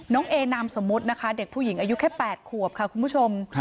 เอนามสมมุตินะคะเด็กผู้หญิงอายุแค่๘ขวบค่ะคุณผู้ชม